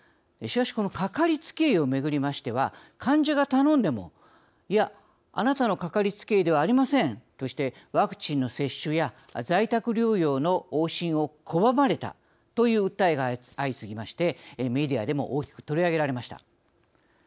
しかしこのかかりつけ医を巡りましては患者が頼んでも「いやあなたのかかりつけ医ではありません」としてワクチンの接種や在宅療養の往診を拒まれたという訴えが相次ぎましてメディアでも大きく取り上げられました。